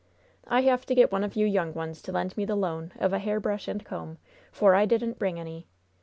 "I have to get one of you young ones to lend me the loan of a hair brush and comb, for I didn't bring any.